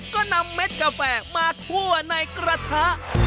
ก็นำเม็ดกาแฟมาคั่วในกระทะ